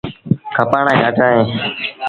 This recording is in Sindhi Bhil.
کپآڻآن گھٽ اهيݩ۔